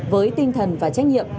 với tinh thần và trách nhiệm